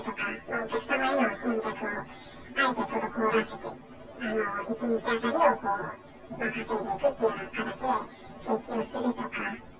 お客様への返却をあえて滞らせて、１日当たりを稼いでいくっていう形で請求するとか。